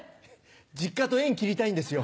実家と縁切りたいんですよ。